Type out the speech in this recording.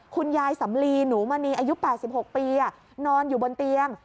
คุณยายสำลีหนูมณีอายุ๘๖ปีนอนอยู่บนเตียง